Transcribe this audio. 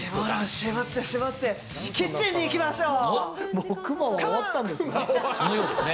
絞って、絞ってキッチンに行きましょう！